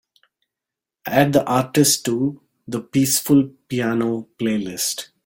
Add the artist to the peaceful piano playlist.